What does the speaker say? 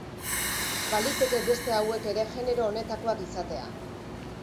Baliteke beste hauek ere genero honetakoak izatea.